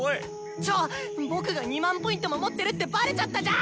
ちょっ僕が２００００Ｐも持ってるってバレちゃったじゃん！